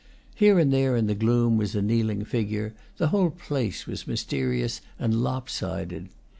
Here and there in the gloom was a kneeling figure; the whole place was mysterious and lop sided.